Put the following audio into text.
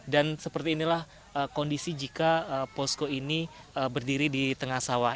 dan seperti inilah kondisi jika posko ini berdiri di tengah sawah